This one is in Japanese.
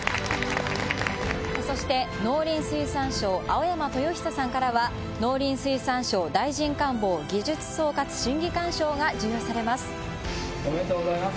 そして農林水産省青山豊久さんからは農林水産省大臣官房技術総括審議官賞が授与されます。